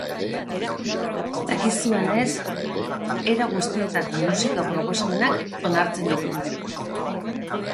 Dakizuenez, era guztietako musika proposamenak onartzen ditugu.